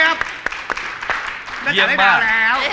ขอบคุณทุกคนต่างครับ